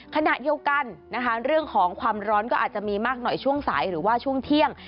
ขณะเดียวกันนะคะเรื่องของความร้อนก็อาจจะมีมากหน่อยช่วงสายหรือว่าช่วงเที่ยง